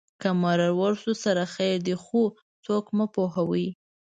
که مرور شو سره خیر دی خو څوک مه پوهوه